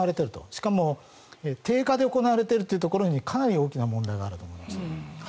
しかも定価で行われているというところにかなり大きな問題があると思います。